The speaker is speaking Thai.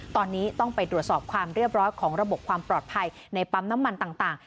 ตอนนี้ต้องไปตรวจสอบความเรียบร้อยของระบบความปลอดภัยในปั๊มน้ำมันต่าง